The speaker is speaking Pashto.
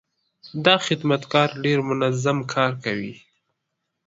دا خدمتګر ډېر منظم کار کوي.